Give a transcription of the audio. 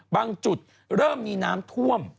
บางจุดเริ่มมีน้ำท่วม